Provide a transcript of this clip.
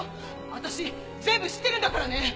私全部知ってるんだからね！